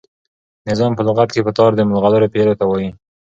نظام په لغت کښي په تار د ملغلرو پېیلو ته وايي.